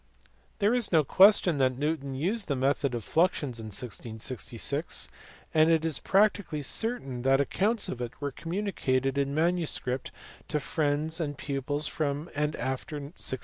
There is no question that Newton used the method of fluxions in 1666, and it is practically certain that accounts of it were communicated in manuscript to friends and pupils from and after 1669.